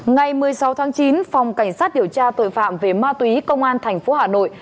ngày một mươi sáu tháng chín phòng cảnh sát điều tra tội phạm về ma túy công an tp hà nội